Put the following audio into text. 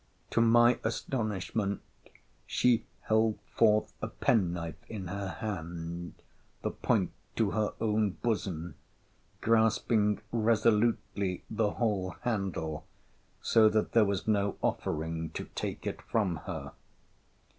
To my astonishment, she held forth a penknife in her hand, the point to her own bosom, grasping resolutely the whole handle, so that there was no offering to take it from her.